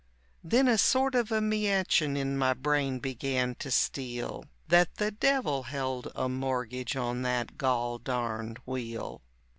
Then a sort of a meachin' in my brain began to steal, That the devil held a mortgage on that gol darned wheel.